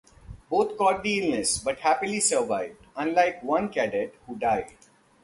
Both caught the illness, but happily survived, unlike one cadet who died.